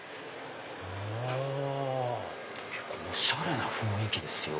おしゃれな雰囲気ですよ。